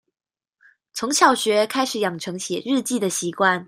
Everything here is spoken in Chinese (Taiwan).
從小學開始養成寫日記的習慣